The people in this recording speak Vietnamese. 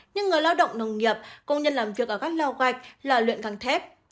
những người lao động nông nghiệp công nhân làm việc ở các lao gạch lò luyện càng thép